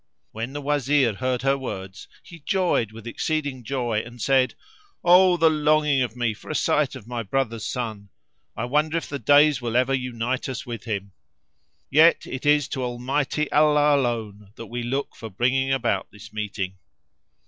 When the Wazir heard her words he joyed with exceeding joy and said, "O the longing of me for a sight of my brother's son! I wonder if the days will ever unite us with him! Yet it is to Almighty Allah alone that we look for bringing about this meeting."